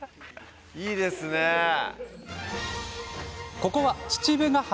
ここは父母ヶ浜。